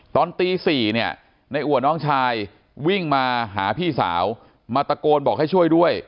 ตอนตี๔เนี่ยในอัวน้องชายวิ่งมาหาพี่สาวมาตะโกนบอกให้ช่วยด้วย